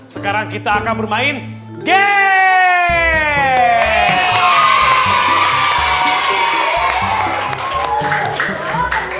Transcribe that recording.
sekarang kita akan bermain deh